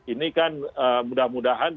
ini kan mudah mudahan